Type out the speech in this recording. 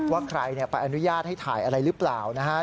ว่าใครไปอนุญาตให้ถ่ายอะไรหรือเปล่านะฮะ